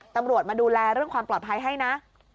ตำรวจมาดูแลเรื่องความปลอดภัยให้นะ